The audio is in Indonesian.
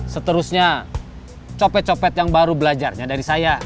seterusnya copet copet yang baru belajarnya dari saya